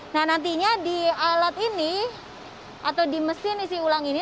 nah nantinya di alat ini atau di mesin isi ulang ini